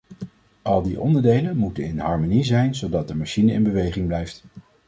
Al die onderdelen moeten in harmonie zijn zodat de machine in beweging blijft.